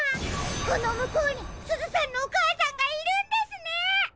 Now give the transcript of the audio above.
このむこうにすずさんのおかあさんがいるんですね！